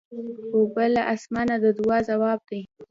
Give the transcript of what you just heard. اوبه له اسمانه د دعا ځواب دی.